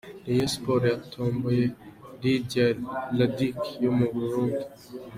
Rayon Sports yatomboye Lydia Ludic yo mu Burundi.